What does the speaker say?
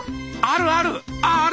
あるある。